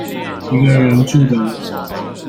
一個人住的我